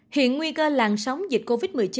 hiện nguy cơ làn sóng dịch covid một mươi chín